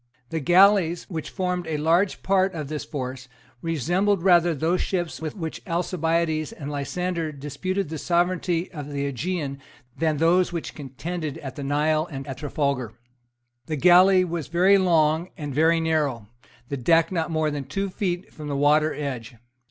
The galleys, which formed a large part of this force, resembled rather those ships with which Alcibiades and Lysander disputed the sovereignty of the Aegean than those which contended at the Nile and at Trafalgar. The galley was very long and very narrow, the deck not more than two feet from the water edge.